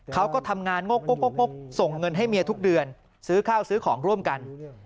เขาก็ทำงานงกส่งเงินให้เมียทุกเดือนซื้อข้าวซื้อของร่วมกัน